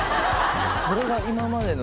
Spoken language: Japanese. それが今までの。